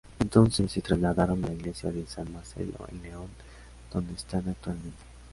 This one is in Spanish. Entonces, se trasladaron a la iglesia de San Marcelo, en León, donde están actualmente.